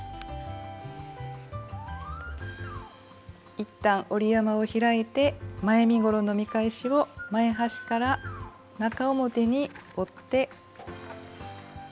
いったん折り山を開いて前身ごろの見返しを前端から中表に折って。